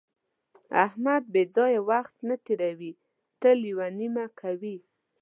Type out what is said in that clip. احمد بې ځایه وخت نه تېروي، تل یوه نیمه کوي.